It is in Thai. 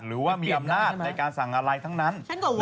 หรือว่ามีอำนาจในการสั่งอะไรทั้งนั้น